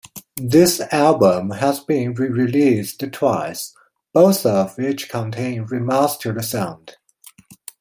This album has been re-released twice, both of which contain remastered sound.